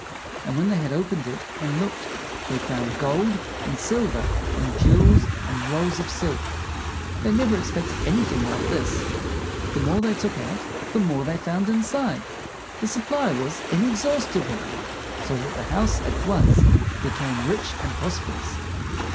And when they had opened it and looked, they found gold and silver and jewels and rolls of silk. They never expected anything like this. The more they took out the more they found inside. The supply was inexhaustible, so that the house at once became rich and prosperous.